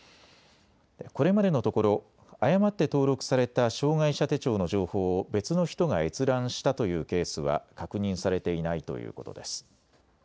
これまでのところ誤って登録された障害者手帳の情報を別の人が閲覧したというケースは確認されていないということです。